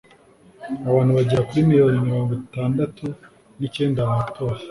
abantu bagera kuri miliyoni mirongo itandatu n'icyenda batoye